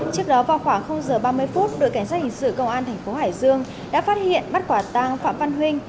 trước đó vào khoảng h ba mươi phút đội cảnh sát hình sự công an thành phố hải dương đã phát hiện bắt quả tang phạm văn huynh